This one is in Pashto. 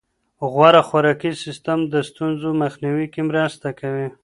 غوره خوراکي سیستم د ستونزو مخنیوي کې مرسته کوي.